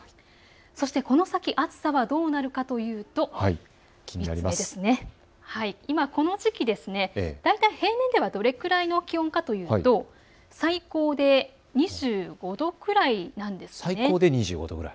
そして、この先暑さはどうなるかというと今、この時期大体平年ではどれくらいの気温かというと最高で２５度くらいなんです。